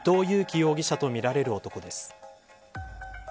容疑者とみられる男です。